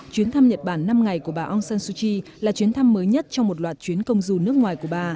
chuyến thăm nhật bản năm ngày của bà aung san suu kyi là chuyến thăm mới nhất trong một loạt chuyến công du nước ngoài của bà